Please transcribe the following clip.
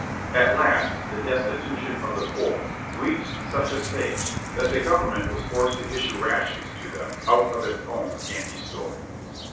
At last the destitution of the poor reached such a stage that the Government was forced to issue rations to them out of its own scanty store.